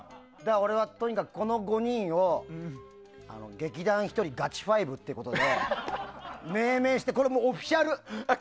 俺はとにかくこの５人を劇団ひとりガチファイブということで命名して、オフィシャル。